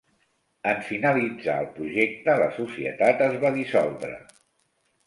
En finalitzar el projecte, la societat es va dissoldre.